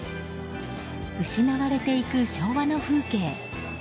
失われていく昭和の風景。